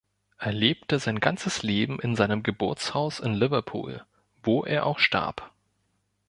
Er lebte sein ganzes Leben in seinem Geburtshaus in Liverpool, wo er auch starb.